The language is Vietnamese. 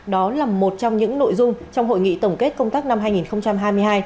đó là một trong những nội dung trong hội nghị tổng kết công tác năm hai nghìn hai mươi hai